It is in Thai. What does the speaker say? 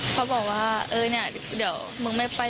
เขาบอกว่าเออเนี่ยเดี๋ยวมึงไม่ไป